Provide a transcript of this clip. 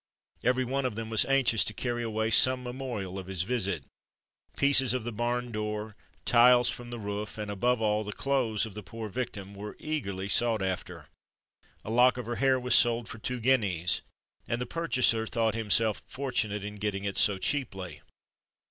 Every one of them was anxious to carry away some memorial of his visit. Pieces of the barn door, tiles from the roof, and, above all, the clothes of the poor victim, were eagerly sought after. A lock of her hair was sold for two guineas, and the purchaser thought himself fortunate in getting it so cheaply.